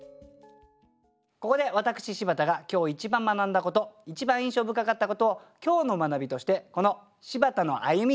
ここで私柴田が今日一番学んだこと一番印象深かったことを今日の学びとしてこの「柴田の歩み」